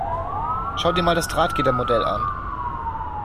Schau dir mal das Drahtgittermodell an.